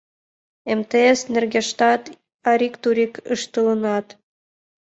МТС нергештат арик-турик ыштылынат.